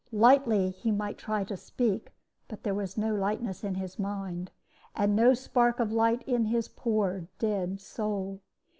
Lightly he might try to speak, but there was no lightness in his mind, and no spark of light in his poor dead soul.